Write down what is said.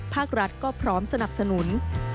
ภาครัฐก็พร้อมสนับสนุน